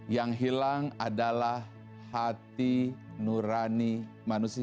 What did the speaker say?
yang hilang adalah hati nurani manusia